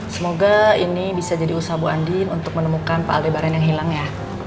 semoga ini bisa jadi usaha bu andien untuk menemukan pak aldebaran yang hilang ya